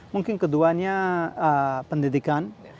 mungkin keduanya pendidikan